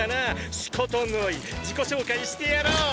仕方ない自己紹介してやろう！